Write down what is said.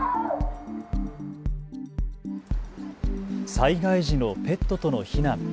災害時のペットとの避難。